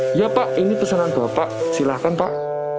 iya pak ini pesanan bapak silahkan pak